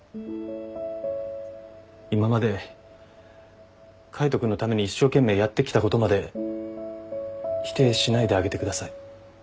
今まで海斗君のために一生懸命やってきたことまで否定しないであげてください。